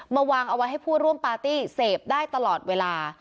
วางเอาไว้ให้ผู้ร่วมปาร์ตี้เสพได้ตลอดเวลา